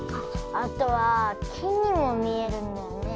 あとはきにもみえるんだよね。